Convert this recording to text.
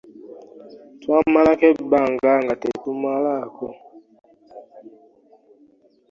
Twamalako ebbanga nga tetumalako.